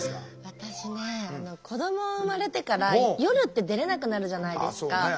私ね子ども生まれてから夜って出れなくなるじゃないですか。